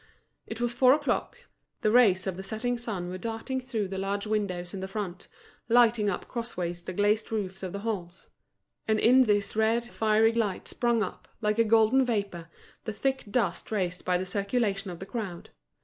It was four o'clock, the rays of the setting sun were darting through the large windows in the front, lighting up crossways the glazed roofs of the halls, and in this red, fiery light sprung up, like a golden vapour, the thick dust raised by the circulation of the crowd.